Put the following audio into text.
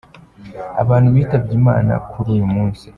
Abantu bitabye Imana kuri uyu munsi:.